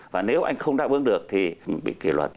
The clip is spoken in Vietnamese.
và nếu anh không đảm bảo được thì bị kỷ luật